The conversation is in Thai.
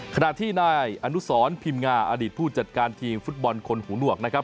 ขณะที่นายอนุสรพิมพ์งาอดีตผู้จัดการทีมฟุตบอลคนหูหนวกนะครับ